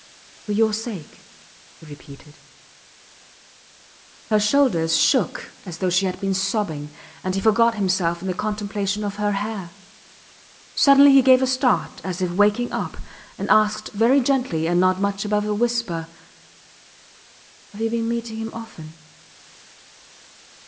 For your sake, he repeated. Her shoulders shook as though she had been sobbing, and he forgot himself in the contemplation of her hair. Suddenly he gave a start, as if waking up, and asked very gently and not much above a whisper Have you been meeting him often?